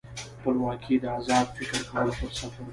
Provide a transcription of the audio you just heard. خپلواکي د ازاد فکر کولو فرصت ورکوي.